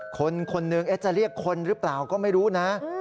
คนคนหนึ่งจะเรียกคนหรือเปล่าก็ไม่รู้นะ